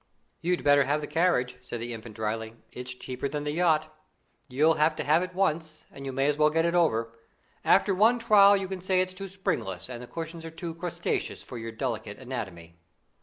"You'd better have the carriage," said the Infant drily; "it's cheaper than the yacht. You'll have to have it once, and you may as well get it over. After one trial, you can say it's too springless and the cushions are too crustaceous for your delicate anatomy."